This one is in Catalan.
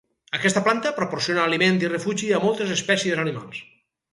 Aquesta planta proporciona aliment i refugi a moltes espècies animals.